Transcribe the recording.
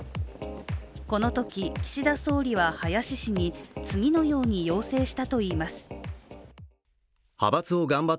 このとき、岸田総理は林氏に次のように要請したといいます。